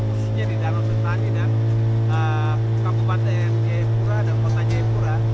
khususnya di danau sentani dan kabupaten jayapura dan kota jayapura